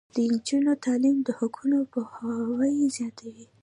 د نجونو تعلیم د حقونو پوهاوی زیاتوي.